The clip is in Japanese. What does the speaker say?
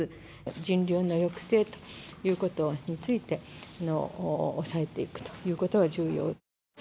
人流の抑制ということについて、抑えていくということが重要。